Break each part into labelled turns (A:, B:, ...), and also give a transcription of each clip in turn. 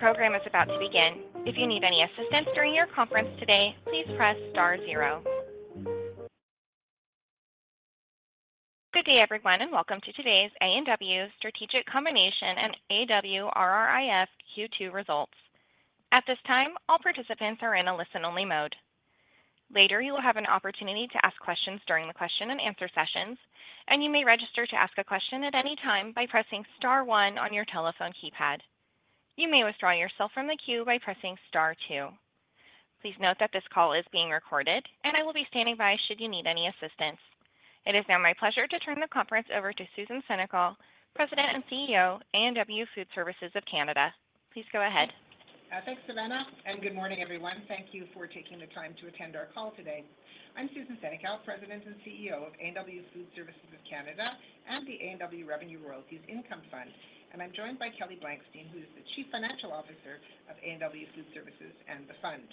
A: Program is about to begin. If you need any assistance during your conference today, please press *zero. Good day, everyone, and welcome to today's A&W Strategic Combination and AWRRIF Q2 results. At this time, all participants are in a listen-only mode. Later, you will have an opportunity to ask questions during the question-and-answer sessions, and you may register to ask a question at any time by pressing * one on your telephone keypad. You may withdraw yourself from the queue by pressing * two. Please note that this call is being recorded, and I will be standing by should you need any assistance. It is now my pleasure to turn the conference over to Susan Senecal, President and CEO of A&W Food Services of Canada. Please go ahead.
B: Thanks, Savannah, and good morning, everyone. Thank you for taking the time to attend our call today. I'm Susan Senecal, President and CEO of A&W Food Services of Canada and the A&W Revenue Royalties Income Fund, and I'm joined by Kelly Blankstein, who is the Chief Financial Officer of A&W Food Services of Canada and the Fund.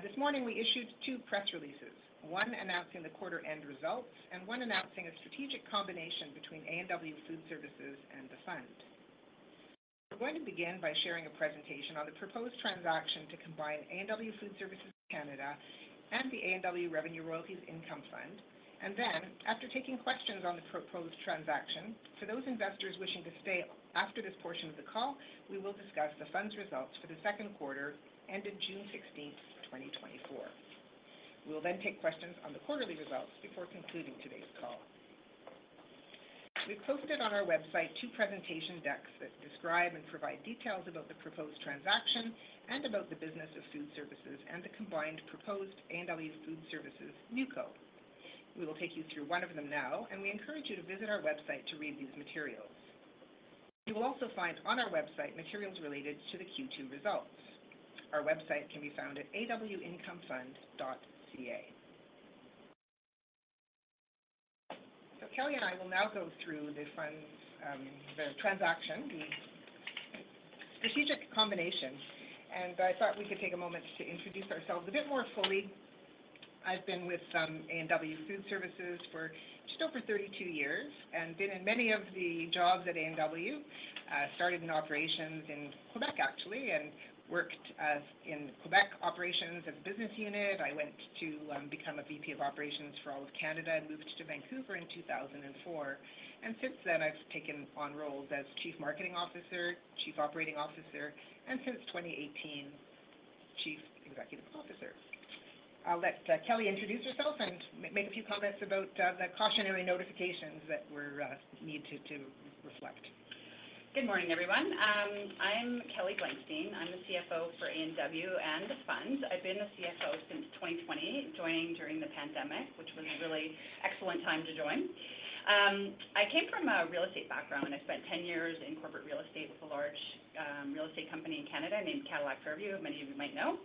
B: This morning, we issued two press releases: one announcing the quarter-end results and one announcing a strategic combination between A&W Food Services of Canada and the Fund. We're going to begin by sharing a presentation on the proposed transaction to combine A&W Food Services of Canada and the A&W Revenue Royalties Income Fund, and then, after taking questions on the proposed transaction, for those investors wishing to stay after this portion of the call, we will discuss the Fund's results for the second quarter ended June 16th, 2024. We'll then take questions on the quarterly results before concluding today's call. We've posted on our website two presentation decks that describe and provide details about the proposed transaction and about the business of Food Services and the combined proposed A&W Food Services Newco. We will take you through one of them now, and we encourage you to visit our website to read these materials. You will also find on our website materials related to the Q2 results. Our website can be found at awincomefund.ca. So Kelly and I will now go through the Fund's transaction, the strategic combination, and I thought we could take a moment to introduce ourselves a bit more fully. I've been with A&W Food Services for just over 32 years and been in many of the jobs at A&W. I started in operations in Quebec, actually, and worked in Quebec operations as a business unit. I went to become a VP of Operations for all of Canada and moved to Vancouver in 2004. Since then, I've taken on roles as Chief Marketing Officer, Chief Operating Officer, and since 2018, Chief Executive Officer. I'll let Kelly introduce herself and make a few comments about the cautionary notifications that we need to reflect.
C: Good morning, everyone. I'm Kelly Blankstein. I'm the CFO for A&W and the Fund. I've been the CFO since 2020, joining during the pandemic, which was a really excellent time to join. I came from a real estate background. I spent 10 years in corporate real estate with a large real estate company in Canada named Cadillac Fairview, many of you might know.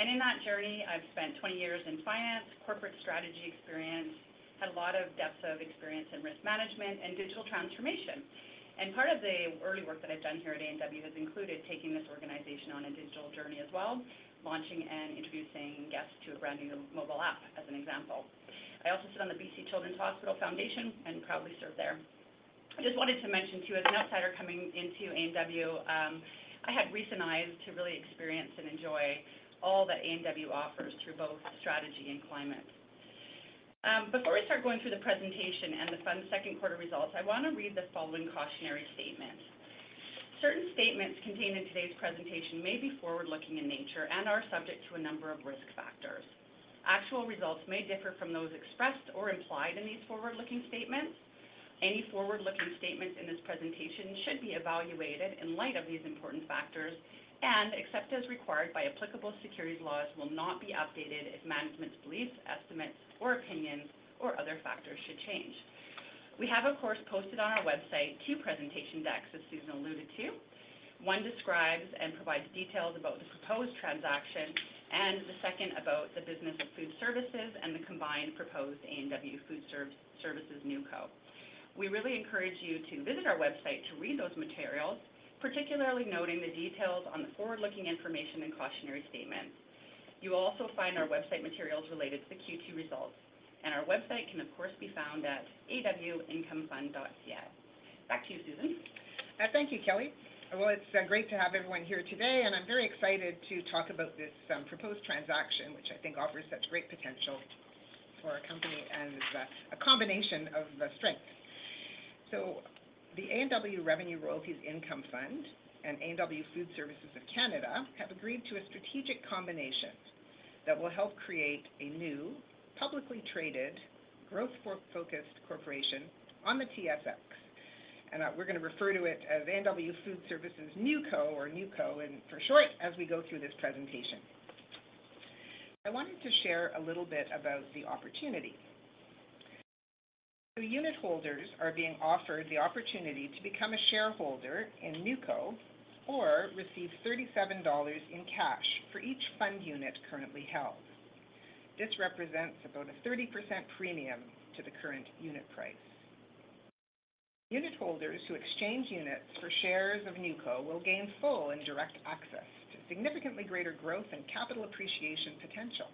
C: In that journey, I've spent 20 years in finance, corporate strategy experience, had a lot of depth of experience in risk management and digital transformation. Part of the early work that I've done here at A&W has included taking this organization on a digital journey as well, launching and introducing guests to a brand new mobile app, as an example. I also sit on the BC Children's Hospital Foundation and proudly serve there. I just wanted to mention to you, as an outsider coming into A&W, I had recent eyes to really experience and enjoy all that A&W offers through both strategy and climate. Before we start going through the presentation and the Fund's second quarter results, I want to read the following cautionary statement. Certain statements contained in today's presentation may be forward-looking in nature and are subject to a number of risk factors. Actual results may differ from those expressed or implied in these forward-looking statements. Any forward-looking statements in this presentation should be evaluated in light of these important factors and, except as required by applicable securities laws, will not be updated if management's beliefs, estimates, or opinions, or other factors should change. We have, of course, posted on our website two presentation decks, as Susan alluded to. One describes and provides details about the proposed transaction and the second about the business of Food Services and the combined proposed A&W Food Services Newco. We really encourage you to visit our website to read those materials, particularly noting the details on the forward-looking information and cautionary statements. You will also find our website materials related to the Q2 results, and our website can, of course, be found at awincomefund.ca. Back to you, Susan.
B: Thank you, Kelly. Well, it's great to have everyone here today, and I'm very excited to talk about this proposed transaction, which I think offers such great potential for our company and is a combination of strengths. The A&W Revenue Royalties Income Fund and A&W Food Services of Canada have agreed to a strategic combination that will help create a new publicly traded, growth-focused corporation on the TSX. We're going to refer to it as A&W Food Services Newco, or Newco, for short, as we go through this presentation. I wanted to share a little bit about the opportunity. The unit holders are being offered the opportunity to become a shareholder in Newco or receive 37 dollars in cash for each fund unit currently held. This represents about a 30% premium to the current unit price. Unitholders who exchange units for shares of Newco will gain full and direct access to significantly greater growth and capital appreciation potential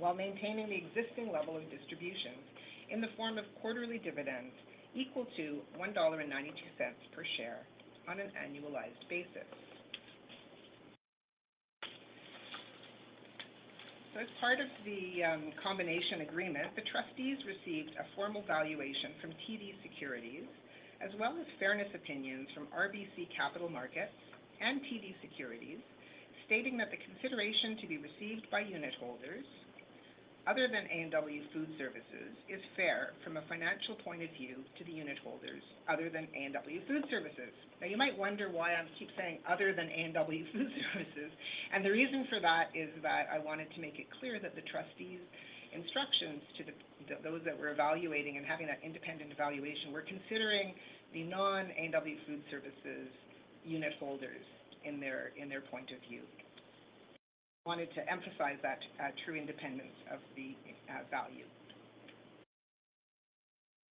B: while maintaining the existing level of distributions in the form of quarterly dividends equal to 1.92 dollar per share on an annualized basis. As part of the combination agreement, the trustees received a formal valuation from TD Securities, as well as fairness opinions from RBC Capital Markets and TD Securities, stating that the consideration to be received by unitholders, other than A&W Food Services, is fair from a financial point of view to the unitholders, other than A&W Food Services. Now, you might wonder why I keep saying other than A&W Food Services, and the reason for that is that I wanted to make it clear that the trustees' instructions to those that were evaluating and having that independent evaluation were considering the non-A&W Food Services unitholders in their point of view. I wanted to emphasize that true independence of the value.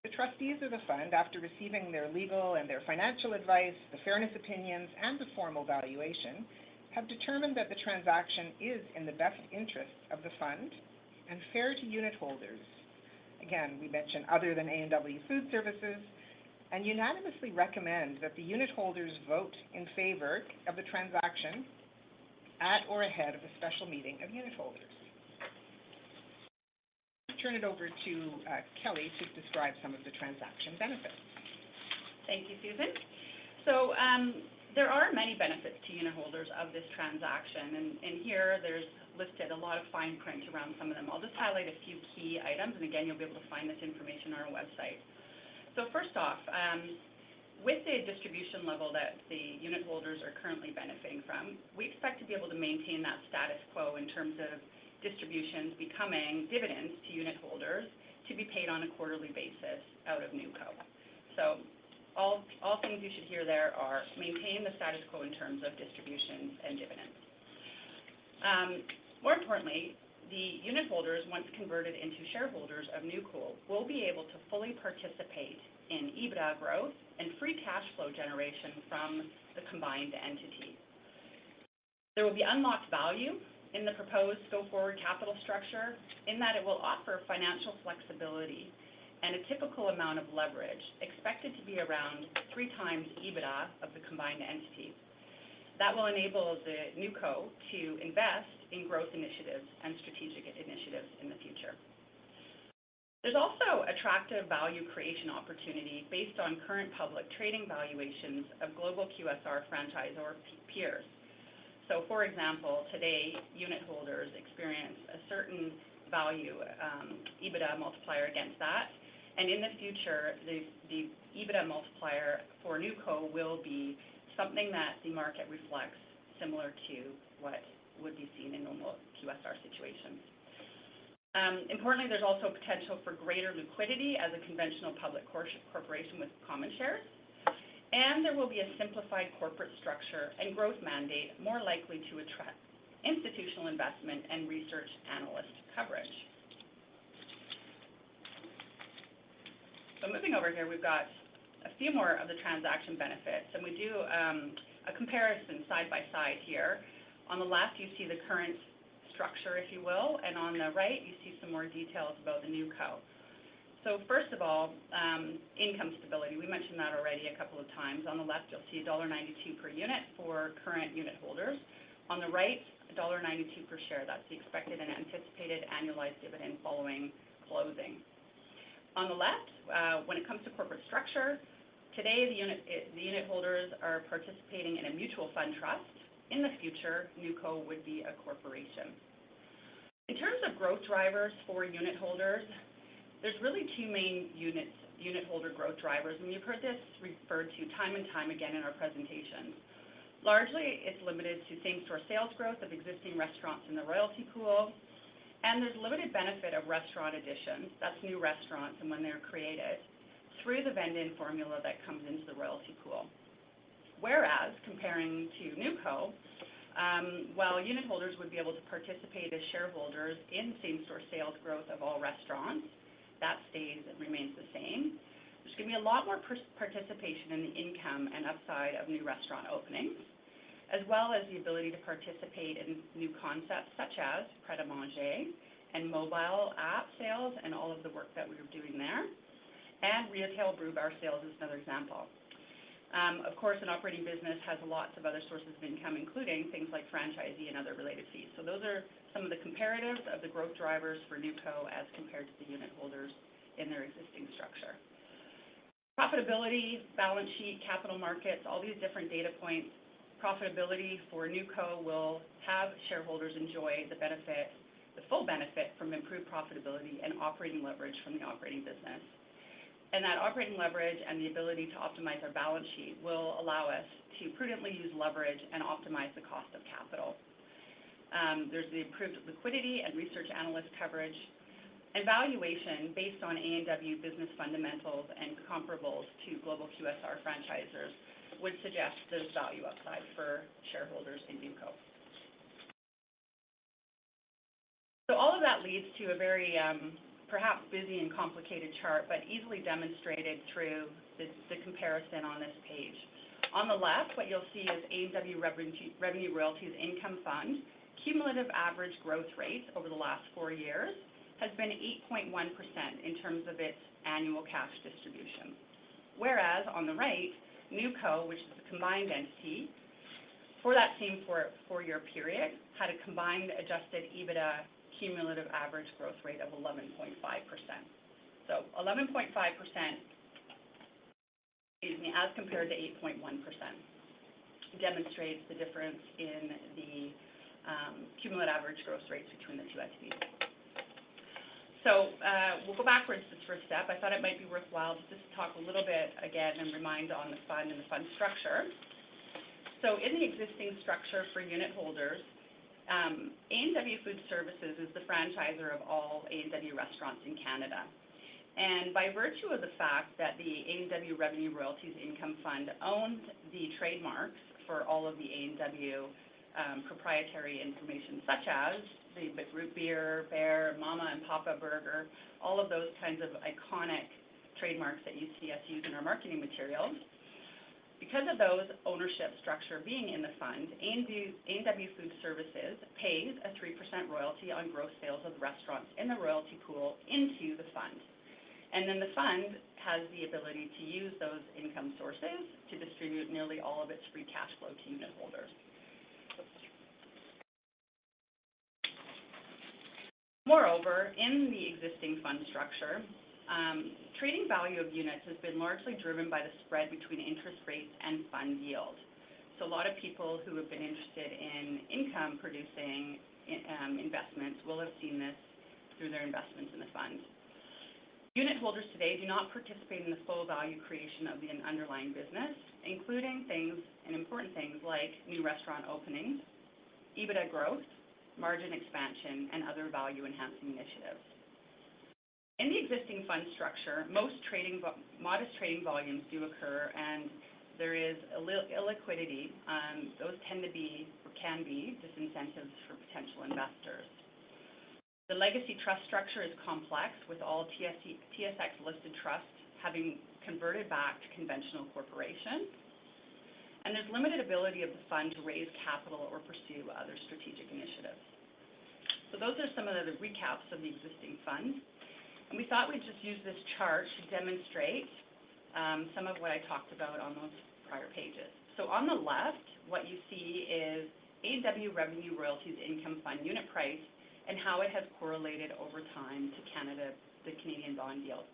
B: The trustees of the Fund, after receiving their legal and their financial advice, the fairness opinions, and the formal valuation, have determined that the transaction is in the best interests of the Fund and fair to unitholders. Again, we mentioned other than A&W Food Services and unanimously recommend that the unitholders vote in favor of the transaction at or ahead of a special meeting of unitholders. I'll turn it over to Kelly to describe some of the transaction benefits.
C: Thank you, Susan. So there are many benefits to unit holders of this transaction, and here there's listed a lot of fine print around some of them. I'll just highlight a few key items, and again, you'll be able to find this information on our website. So first off, with the distribution level that the unit holders are currently benefiting from, we expect to be able to maintain that status quo in terms of distributions becoming dividends to unit holders to be paid on a quarterly basis out of Newco. So all things you should hear there are maintain the status quo in terms of distributions and dividends. More importantly, the unit holders, once converted into shareholders of Newco, will be able to fully participate in EBITDA growth and free cash flow generation from the combined entity. There will be unlocked value in the proposed go-forward capital structure in that it will offer financial flexibility and a typical amount of leverage expected to be around 3 times EBITDA of the combined entity. That will enable the Newco to invest in growth initiatives and strategic initiatives in the future. There's also attractive value creation opportunity based on current public trading valuations of global QSR franchisor peers. So, for example, today, unit holders experience a certain value EBITDA multiplier against that, and in the future, the EBITDA multiplier for Newco will be something that the market reflects similar to what would be seen in normal QSR situations. Importantly, there's also potential for greater liquidity as a conventional public corporation with common shares, and there will be a simplified corporate structure and growth mandate more likely to attract institutional investment and research analyst coverage. So moving over here, we've got a few more of the transaction benefits, and we do a comparison side by side here. On the left, you see the current structure, if you will, and on the right, you see some more details about the Newco. So first of all, income stability. We mentioned that already a couple of times. On the left, you'll see dollar 1.92 per unit for current unit holders. On the right, dollar 1.92 per share. That's the expected and anticipated annualized dividend following closing. On the left, when it comes to corporate structure, today, the unit holders are participating in a mutual fund trust. In the future, Newco would be a corporation. In terms of growth drivers for unit holders, there's really two main unit holder growth drivers, and you've heard this referred to time and time again in our presentations. Largely, it's limited to same-store sales growth of existing restaurants in the royalty pool, and there's limited benefit of restaurant additions. That's new restaurants and when they're created through the vendor formula that comes into the royalty pool. Whereas, comparing to Newco, while unitholders would be able to participate as shareholders in same-store sales growth of all restaurants, that stays and remains the same, which gives me a lot more participation in the income and upside of new restaurant openings, as well as the ability to participate in new concepts such as Pret A Manger and mobile app sales and all of the work that we're doing there, and retail Brew Bar sales is another example. Of course, an operating business has lots of other sources of income, including things like franchisee and other related fees. So those are some of the comparatives of the growth drivers for Newco as compared to the unitholders in their existing structure. Profitability, balance sheet, capital markets, all these different data points, profitability for Newco will have shareholders enjoy the full benefit from improved profitability and operating leverage from the operating business. And that operating leverage and the ability to optimize our balance sheet will allow us to prudently use leverage and optimize the cost of capital. There's the improved liquidity and research analyst coverage. And valuation based on A&W business fundamentals and comparables to global QSR franchisors would suggest there's value upside for shareholders in Newco. So all of that leads to a very, perhaps, busy and complicated chart, but easily demonstrated through the comparison on this page. On the left, what you'll see is A&W Revenue Royalties Income Fund cumulative average growth rate over the last four years has been 8.1% in terms of its annual cash distribution. Whereas, on the right, Newco, which is the combined entity, for that same four-year period, had a combined adjusted EBITDA cumulative average growth rate of 11.5%. So 11.5%, excuse me, as compared to 8.1%, demonstrates the difference in the cumulative average growth rates between the two entities. So we'll go backwards this first step. I thought it might be worthwhile just to talk a little bit again and remind on the Fund and the Fund structure. So in the existing structure for unit holders, A&W Food Services is the franchisor of all A&W restaurants in Canada. By virtue of the fact that the A&W Revenue Royalties Income Fund owns the trademarks for all of the A&W proprietary information, such as the Root Beer, Bear, Mama & Papa Burger, all of those kinds of iconic trademarks that you see us use in our marketing materials, because of those ownership structure being in the Fund, A&W Food Services pays a 3% royalty on gross sales of the restaurants in the royalty pool into the Fund. Then the Fund has the ability to use those income sources to distribute nearly all of its free cash flow to unitholders. Moreover, in the existing Fund structure, trading value of units has been largely driven by the spread between interest rates and Fund yield. A lot of people who have been interested in income-producing investments will have seen this through their investments in the Fund. Unitholders today do not participate in the full value creation of the underlying business, including things and important things like new restaurant openings, EBITDA growth, margin expansion, and other value-enhancing initiatives. In the existing Fund structure, most modest trading volumes do occur, and there is a little illiquidity. Those tend to be or can be disincentives for potential investors. The legacy trust structure is complex, with all TSX-listed trusts having converted back to conventional corporation, and there's limited ability of the Fund to raise capital or pursue other strategic initiatives. So those are some of the recaps of the existing Fund, and we thought we'd just use this chart to demonstrate some of what I talked about on those prior pages. So on the left, what you see is A&W Revenue Royalties Income Fund unit price and how it has correlated over time to the Canadian bond yield.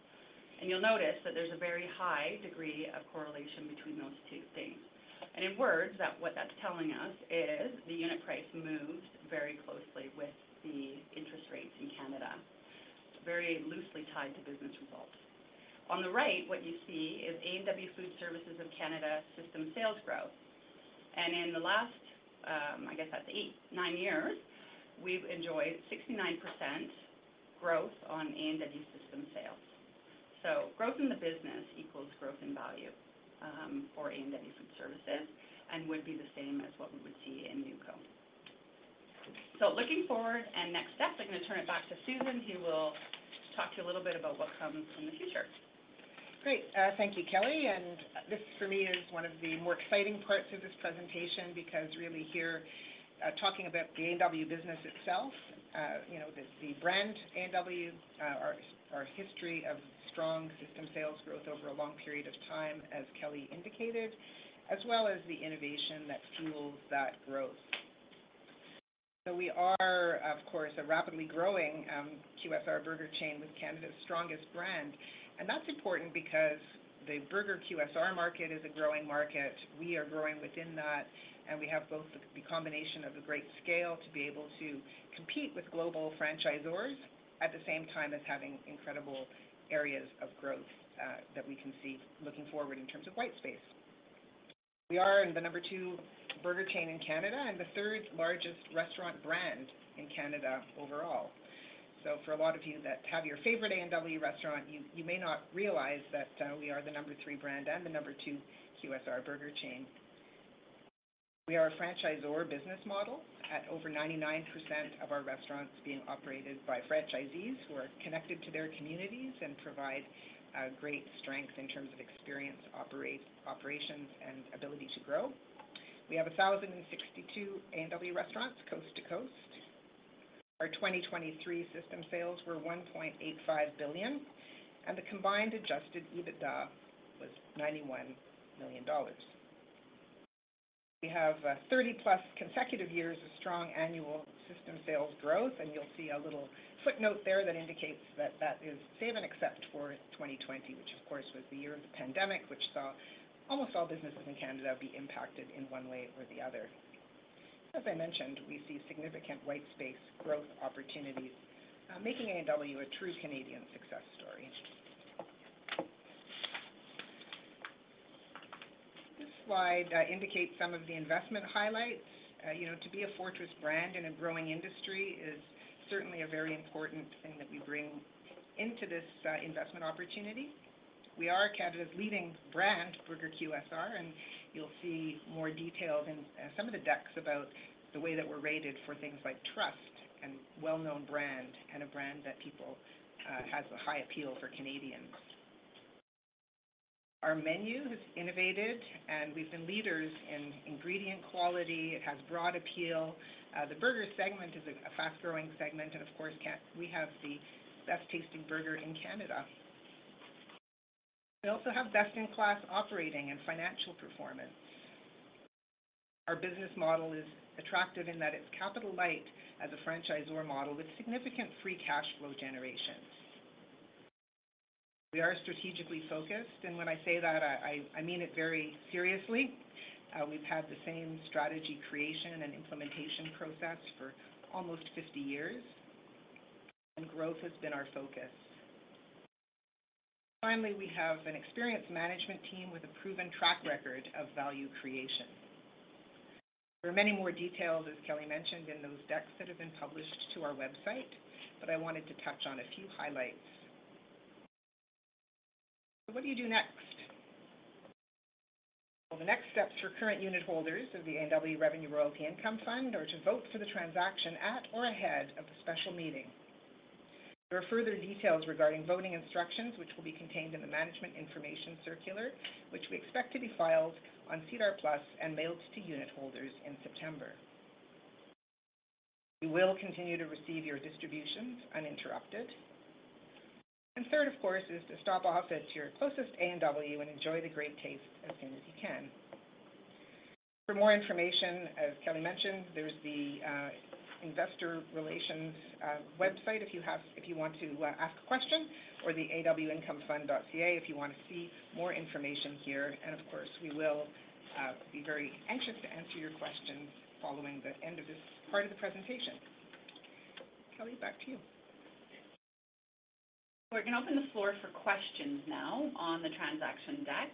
C: You'll notice that there's a very high degree of correlation between those two things. In words, what that's telling us is the unit price moves very closely with the interest rates in Canada, very loosely tied to business results. On the right, what you see is A&W Food Services of Canada system sales growth. In the last, I guess that's 8, 9 years, we've enjoyed 69% growth on A&W system sales. Growth in the business equals growth in value for A&W Food Services and would be the same as what we would see in Newco. Looking forward and next step, I'm going to turn it back to Susan. He will talk to you a little bit about what comes in the future.
B: Great. Thank you, Kelly. And this, for me, is one of the more exciting parts of this presentation because really here talking about the A&W business itself, the brand A&W, our history of strong system sales growth over a long period of time, as Kelly indicated, as well as the innovation that fuels that growth. So we are, of course, a rapidly growing QSR burger chain with Canada's strongest brand. And that's important because the burger QSR market is a growing market. We are growing within that, and we have both the combination of a great scale to be able to compete with global franchisors at the same time as having incredible areas of growth that we can see looking forward in terms of white space. We are the number 2 burger chain in Canada and the third largest restaurant brand in Canada overall. So for a lot of you that have your favorite A&W restaurant, you may not realize that we are the number 3 brand and the number 2 QSR burger chain. We are a franchisor business model at over 99% of our restaurants being operated by franchisees who are connected to their communities and provide great strength in terms of experience, operations, and ability to grow. We have 1,062 A&W restaurants coast to coast. Our 2023 system sales were 1.85 billion, and the combined adjusted EBITDA was 91 million dollars. We have 30+ consecutive years of strong annual system sales growth, and you'll see a little footnote there that indicates that that is save and except for 2020, which, of course, was the year of the pandemic, which saw almost all businesses in Canada be impacted in one way or the other. As I mentioned, we see significant white space growth opportunities, making A&W a true Canadian success story. This slide indicates some of the investment highlights. To be a fortress brand in a growing industry is certainly a very important thing that we bring into this investment opportunity. We are Canada's leading brand, Burger QSR, and you'll see more detail in some of the decks about the way that we're rated for things like trust and well-known brand and a brand that has a high appeal for Canadians. Our menu has innovated, and we've been leaders in ingredient quality. It has broad appeal. The burger segment is a fast-growing segment, and of course, we have the best-tasting burger in Canada. We also have best-in-class operating and financial performance. Our business model is attractive in that it's capital-light as a franchisor model with significant free cash flow generation. We are strategically focused, and when I say that, I mean it very seriously. We've had the same strategy creation and implementation process for almost 50 years, and growth has been our focus. Finally, we have an experienced management team with a proven track record of value creation. There are many more details, as Kelly mentioned, in those decks that have been published to our website, but I wanted to touch on a few highlights. So what do you do next? Well, the next steps for current unit holders of the A&W Revenue Royalties Income Fund are to vote for the transaction at or ahead of the special meeting. There are further details regarding voting instructions, which will be contained in the management information circular, which we expect to be filed on SEDAR+ and mailed to unit holders in September. We will continue to receive your distributions uninterrupted. Third, of course, is to stop off at your closest A&W and enjoy the great taste as soon as you can. For more information, as Kelly mentioned, there's the investor relations website if you want to ask a question, or the awincomefund.ca if you want to see more information here. Of course, we will be very anxious to answer your questions following the end of this part of the presentation. Kelly, back to you.
C: We're going to open the floor for questions now on the transaction deck.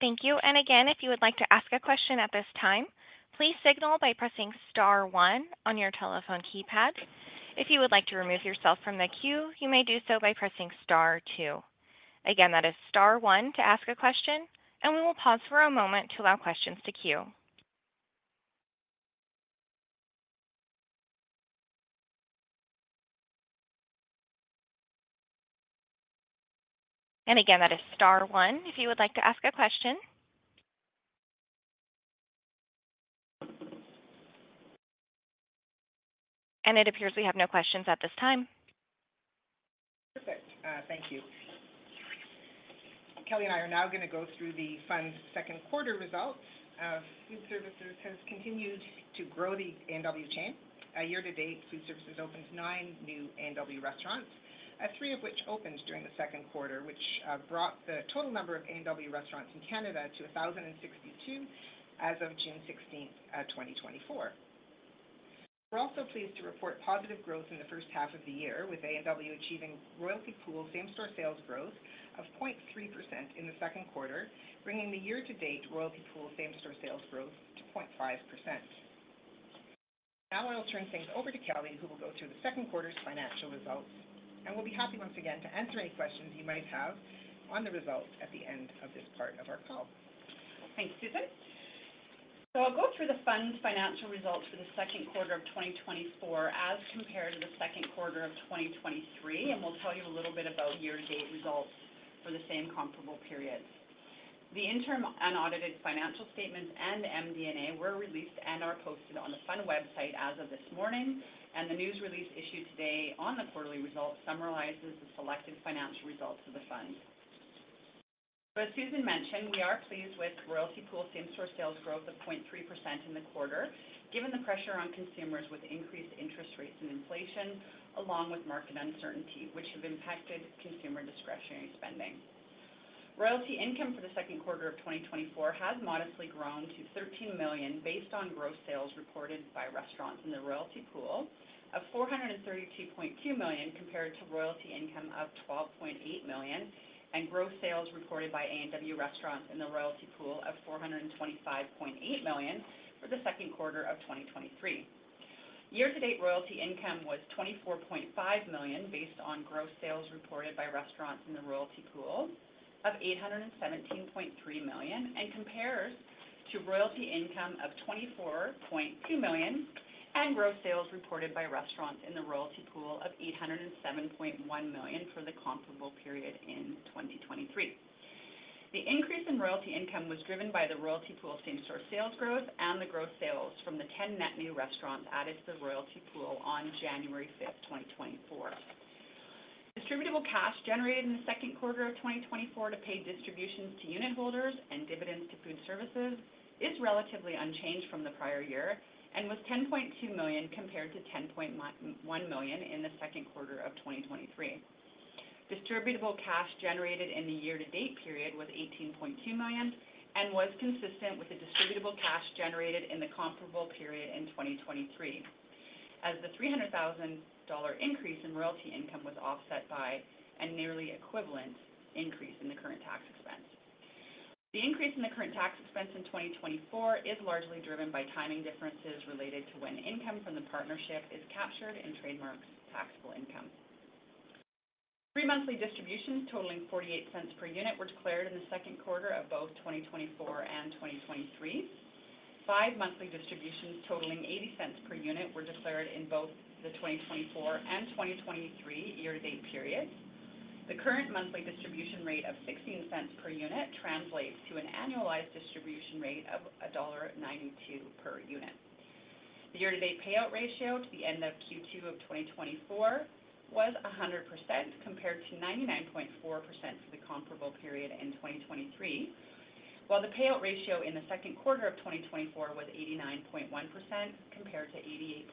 A: Thank you. And again, if you would like to ask a question at this time, please signal by pressing * one on your telephone keypad. If you would like to remove yourself from the queue, you may do so by pressing * two. Again, that is * one to ask a question, and we will pause for a moment to allow questions to queue. And again, that is * one if you would like to ask a question. And it appears we have no questions at this time.
B: Perfect. Thank you. Kelly and I are now going to go through the Fund's second quarter results. Food Services has continued to grow the A&W chain. Year to date, Food Services opened 9 new A&W restaurants, 3 of which opened during the second quarter, which brought the total number of A&W restaurants in Canada to 1,062 as of June 16th, 2024. We're also pleased to report positive growth in the first half of the year, with A&W achieving royalty pool same-store sales growth of 0.3% in the second quarter, bringing the year-to-date royalty pool same-store sales growth to 0.5%. Now I'll turn things over to Kelly, who will go through the second quarter's financial results. We'll be happy once again to answer any questions you might have on the results at the end of this part of our call.
C: Thanks, Susan. I'll go through the Fund's financial results for the second quarter of 2024 as compared to the second quarter of 2023, and we'll tell you a little bit about year-to-date results for the same comparable periods. The interim and audited financial statements and MD&A were released and are posted on the Fund website as of this morning, and the news release issued today on the quarterly results summarizes the selected financial results of the Fund. As Susan mentioned, we are pleased with royalty pool same-store sales growth of 0.3% in the quarter, given the pressure on consumers with increased interest rates and inflation, along with market uncertainty, which have impacted consumer discretionary spending. Royalty income for the second quarter of 2024 has modestly grown to 13 million based on gross sales reported by restaurants in the royalty pool of 432.2 million, compared to royalty income of 12.8 million and gross sales reported by A&W restaurants in the royalty pool of 425.8 million for the second quarter of 2023. Year-to-date royalty income was CAD 24.5 million based on gross sales reported by restaurants in the royalty pool of 817.3 million and compares to royalty income of 24.2 million and gross sales reported by restaurants in the royalty pool of 807.1 million for the comparable period in 2023. The increase in royalty income was driven by the royalty pool same-store sales growth and the gross sales from the 10 net new restaurants added to the royalty pool on January 5th, 2024. Distributable cash generated in the second quarter of 2024 to pay distributions to unit holders and dividends to Food Services is relatively unchanged from the prior year and was 10.2 million compared to 10.1 million in the second quarter of 2023. Distributable cash generated in the year-to-date period was 18.2 million and was consistent with the distributable cash generated in the comparable period in 2023, as the 300,000 dollar increase in royalty income was offset by a nearly equivalent increase in the current tax expense. The increase in the current tax expense in 2024 is largely driven by timing differences related to when income from the partnership is captured and trademarks taxable income. Three monthly distributions totaling 0.48 per unit were declared in the second quarter of both 2024 and 2023. Five monthly distributions totaling 0.80 per unit were declared in both the 2024 and 2023 year-to-date periods. The current monthly distribution rate of 0.16 per unit translates to an annualized distribution rate of dollar 1.92 per unit. The year-to-date payout ratio to the end of Q2 of 2024 was 100% compared to 99.4% for the comparable period in 2023, while the payout ratio in the second quarter of 2024 was 89.1% compared to 88.9%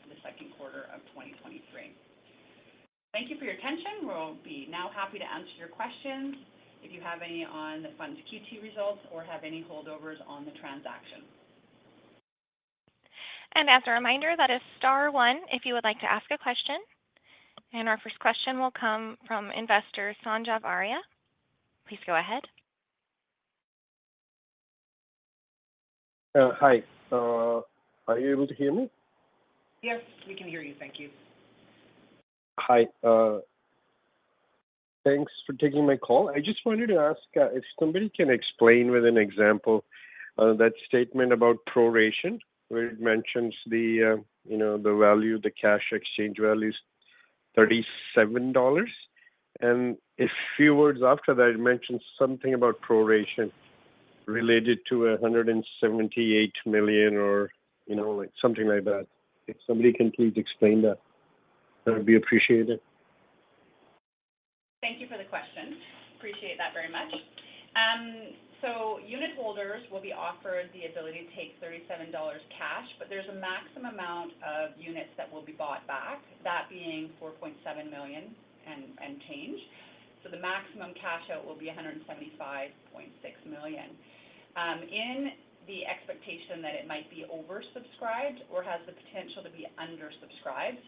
C: for the second quarter of 2023. Thank you for your attention. We'll be now happy to answer your questions if you have any on the Fund's Q2 results or have any holdovers on the transaction.
A: As a reminder, that is * one if you would like to ask a question. Our first question will come from investor Sanjay Varia. Please go ahead.
D: Hi. Are you able to hear me?
B: Yes, we can hear you. Thank you.
D: Hi. Thanks for taking my call. I just wanted to ask if somebody can explain with an example that statement about proration, where it mentions the value, the cash exchange value is 37 dollars. And a few words after that, it mentions something about proration related to 178 million or something like that. If somebody can please explain that, that would be appreciated.
B: Thank you for the question. Appreciate that very much. So unitholders will be offered the ability to take 37 dollars cash, but there's a maximum amount of units that will be bought back, that being 4.7 million and change. So the maximum cash out will be 175.6 million in the expectation that it might be oversubscribed or has the potential to be undersubscribed.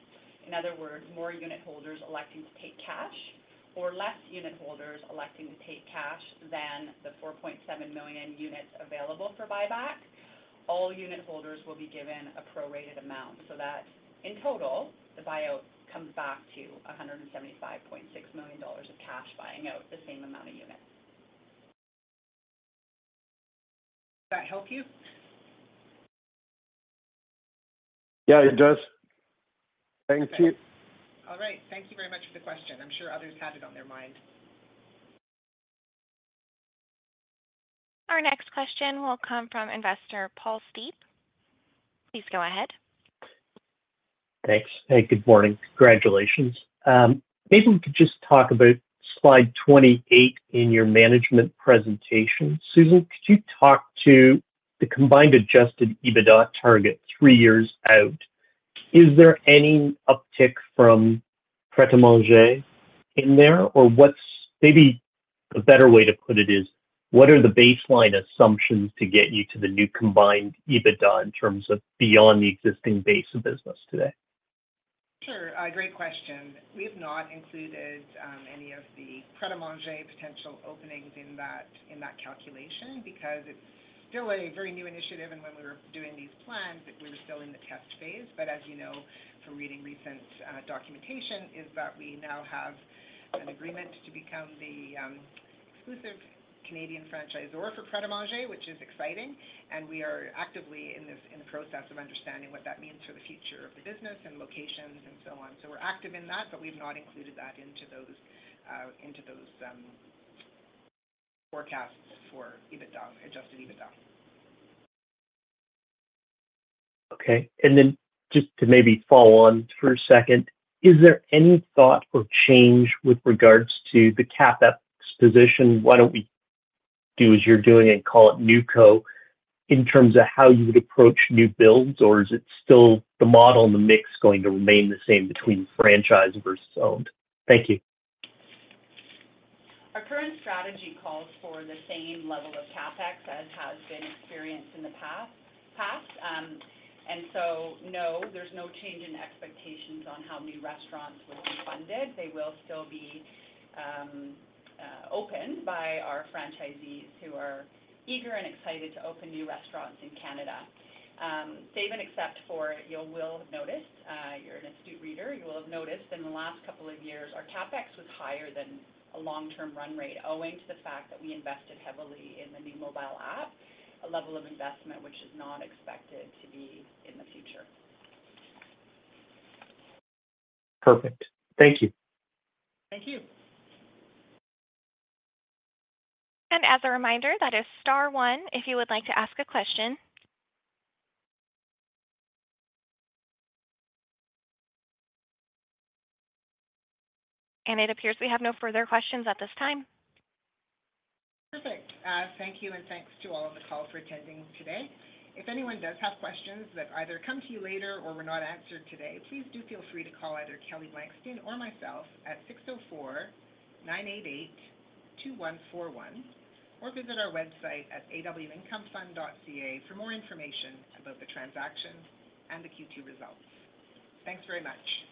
B: In other words, more unitholders electing to take cash or less unitholders electing to take cash than the 4.7 million units available for buyback, all unitholders will be given a prorated amount so that in total, the buyout comes back to 175.6 million dollars of cash buying out the same amount of units. Does that help you?
D: Yeah, it does. Thank you.
B: All right. Thank you very much for the question. I'm sure others had it on their mind.
A: Our next question will come from investor Paul Steep. Please go ahead.
D: Thanks. Hey, good morning. Congratulations. Maybe we could just talk about slide 28 in your management presentation. Susan, could you talk to the combined adjusted EBITDA target three years out? Is there any uptick from Pret A Manger in there? Or maybe a better way to put it is, what are the baseline assumptions to get you to the new combined EBITDA in terms of beyond the existing base of business today?
B: Sure. Great question. We have not included any of the Pret A Manger potential openings in that calculation because it's still a very new initiative. And when we were doing these plans, we were still in the test phase. But as you know from reading recent documentation is that we now have an agreement to become the exclusive Canadian franchisor for Pret A Manger, which is exciting. And we are actively in the process of understanding what that means for the future of the business and locations and so on. So we're active in that, but we've not included that into those forecasts for adjusted EBITDA.
D: Okay. And then just to maybe follow on for a second, is there any thought or change with regards to the CapEx position? Why don't we do as you're doing and call it new co in terms of how you would approach new builds, or is it still the model and the mix going to remain the same between franchise versus owned? Thank you.
B: Our current strategy calls for the same level of CapEx as has been experienced in the past. And so no, there's no change in expectations on how new restaurants would be funded. They will still be opened by our franchisees who are eager and excited to open new restaurants in Canada. Save and except for, you will have noticed, you're an astute reader, you will have noticed in the last couple of years, our CapEx was higher than a long-term run rate, owing to the fact that we invested heavily in the new mobile app, a level of investment which is not expected to be in the future.
D: Perfect. Thank you.
B: Thank you.
A: As a reminder, that is star one if you would like to ask a question. It appears we have no further questions at this time.
B: Perfect. Thank you. Thanks to all on the call for attending today. If anyone does have questions that either come to you later or were not answered today, please do feel free to call either Kelly Blankstein or myself at 604-988-2141, or visit our website at awincomefund.ca for more information about the transaction and the Q2 results. Thanks very much.